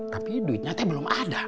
tapi duitnya belum ada